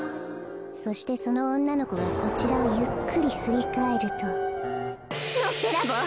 そしてそのおんなのこがこちらをゆっくりふりかえるとのっぺらぼう。